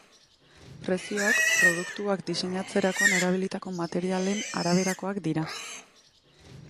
Prezioak, produktuak diseinatzerakoan erabilitako materialen araberakoak dira.